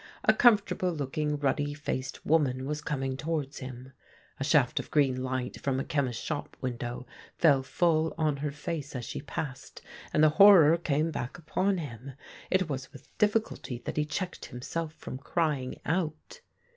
A comfortable looking, ruddy faced Avoman was coming towards him. A shaft of green light from a chemist's shop window fell full on her face as she passed, and the horror came back upon him. It was with difficulty that he checked himself from crying out.